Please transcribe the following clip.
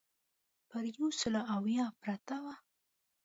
پر یو سل اویا پرته وه.